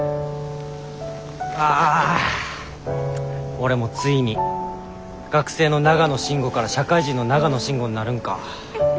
俺もついに「学生の長野慎吾」から「社会人の長野慎吾」になるんか。